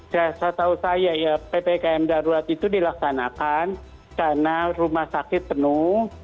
setahu saya ya ppkm darurat itu dilaksanakan karena rumah sakit penuh